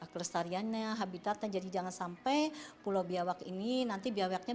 kelestariannya habitatnya jadi jangan sampai pulau biawak ini nanti biawaknya